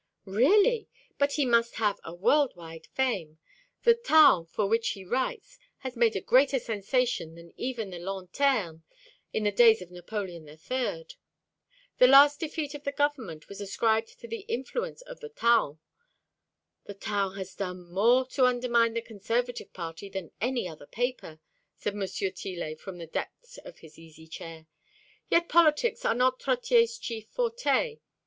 "Really! But he must have a world wide fame. The Taon, for which he writes, has made a greater sensation than even the Lanterne in the days of Napoleon III. The last defeat of the Government was ascribed to the influence of the Taon. The Taon has done more to undermine the Conservative party than any other paper," said M. Tillet from the depths of his easy chair. "Yet politics are not Trottier's chief forte.